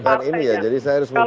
kalau ini yang pejabat